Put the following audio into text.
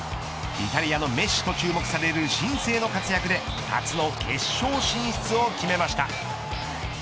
イタリアのメッシと注目される新星の活躍で初の決勝進出を決めました。